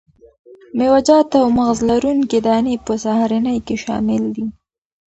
میوه جات او مغذ لرونکي دانې په سهارنۍ کې شامل دي.